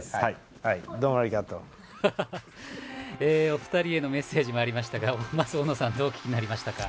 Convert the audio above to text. お二人へのメッセージもありましたがまず大野さんどうお聞きになりましたか。